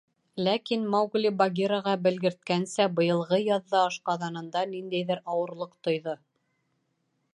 Ләкин Маугли, Багираға белгерткәнсә, быйылғы яҙҙа ашҡаҙанында ниндәйҙер ауырлыҡ тойҙо.